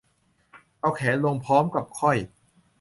เอาแขนลงพร้อมกับค่อย